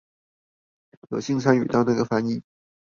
有幸參與到那個翻譯